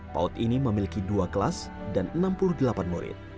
paut ini memiliki dua kelas dan enam puluh delapan murid